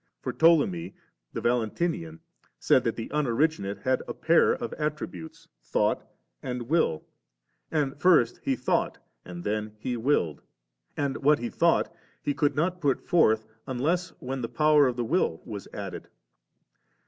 For Ptolemy the Valentinian said that the Unoriginate had a pair of attri butes, Thought and Will, and first He thought and then He willed; and what He thought. He could not put forth •, unless when the power of the Will was added.